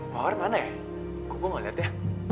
mbak mawar mana ya kok gue gak liat ya